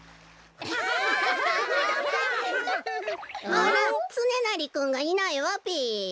あらつねなりくんがいないわべ。